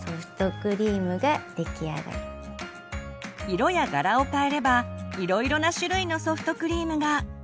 色や柄を変えればいろいろな種類のソフトクリームが。